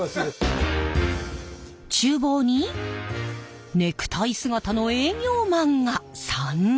ちゅう房にネクタイ姿の営業マンが３人。